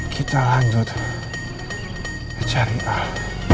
kita lanjut cari al